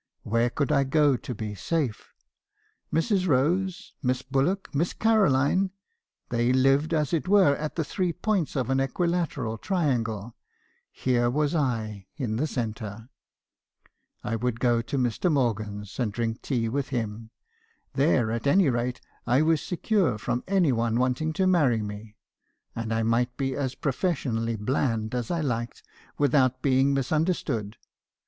Where could I go to be safe? Mrs. Rose, Miss Bullock, Miss Caroline — they lived as it were at the three points of an equilateral triangle ; here was I in the centre. I would go to Mr. Morgan's, and drink tea with him. There , at any rate , I was secure from any one wanting to marry me ; and I might be as professionally bland as I liked, without being misunderstood.